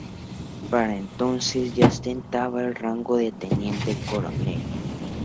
Para entonces ya ostentaba el rango de Teniente coronel.